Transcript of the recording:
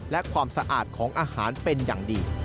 และความสะอาดของอาหารเป็นอย่างดี